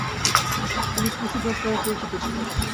তিনি "Pussy Jones" নামে পরিচিত ছিলেন।